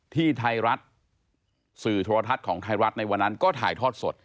ที่ไทยรัฐสื่อโทรทัศน์ของไทยรัฐในวันนั้นก็ถ่ายทอดสด